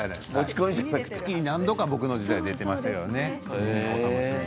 月に何度か僕の時代も出ていましたね。